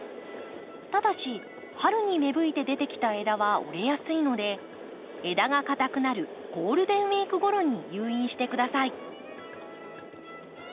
ただし春に芽吹いて出てきた枝は折れやすいので枝が硬くなるゴールデンウィークごろに誘引してください。